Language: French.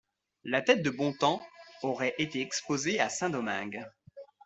La tête de Bontemps aurait été exposée à Saint-Domingue.